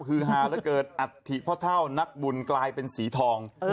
คือฮาเหลือเกินอัฐิพ่อเท่านักบุญกลายเป็นสีทอง